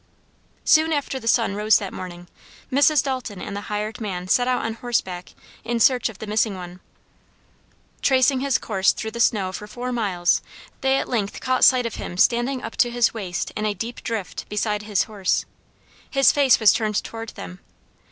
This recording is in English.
Soon after the sun rose that morning, Mrs. Dalton and the hired man set out on horseback in search of the missing one. Tracing his course through the snow for four miles they at length caught sight of him standing up to his waist in a deep drift, beside his horse. His face was turned toward them.